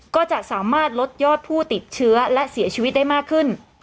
ก็จะสามารถลดยอดผู้ติดเชื้อและเสียชีวิตได้มากขึ้น